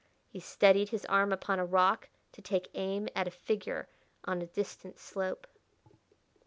He steadied his arm upon a rock to take aim at a figure on a distant slope.